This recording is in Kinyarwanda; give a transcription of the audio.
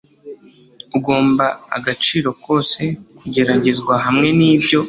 Ugomba agaciro kose kugeragezwa hamwe nibyo